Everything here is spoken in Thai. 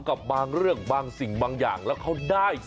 กับบางเรื่องบางสิ่งบางอย่างแล้วเขาได้